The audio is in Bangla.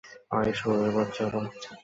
আয় শুয়োরের বাচ্চারা।